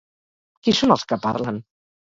Qui són els que parlen?